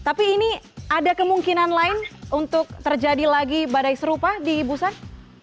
tapi ini ada kemungkinan lain untuk terjadi lagi badai serupa di busan